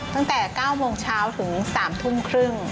ตั้งแต่๙โมงเช้าถึง๓ทุ่มครึ่ง